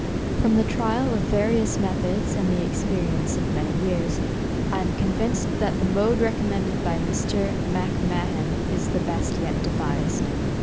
From the trial of various methods, and the experience of many years, I am convinced that the mode recommended by Mr. M'Mahan is the best yet devised.